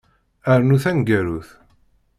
Rnu taneggarut.